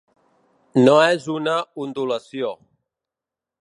No és una ondulació.